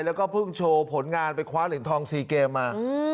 แล้วก็เพิ่งโชว์ผลงานไปคว้าเหรียญทอง๔เกมมา